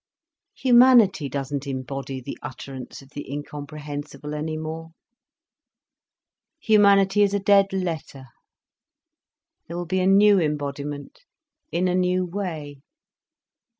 Humanity doesn't embody the utterance of the incomprehensible any more. Humanity is a dead letter. There will be a new embodiment, in a new way.